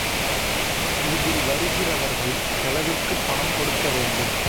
இதில் வருகிறவர்கள் செலவிற்குப் பணம் கொடுக்க வேண்டும்.